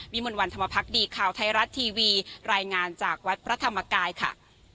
มนต์วันธรรมพักดีข่าวไทยรัฐทีวีรายงานจากวัดพระธรรมกายค่ะ